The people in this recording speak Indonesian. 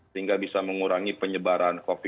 sehingga bisa mengurangi penyebaran covid sembilan belas